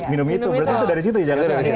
minum itu berarti itu dari situ ya kan